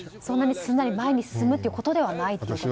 そんなにすんなり前に進むということではないと。